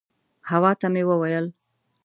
حوا ته مې وویل.